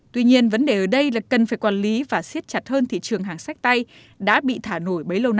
tuy nhiên vấn đề ở đây là cần phải quản lý và xiết chặt hơn thị trường hàng sách tay đã bị thả nổi bấy lâu nay góp phần làm cho thị trường lành mạnh an toàn hơn